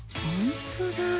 ほんとだ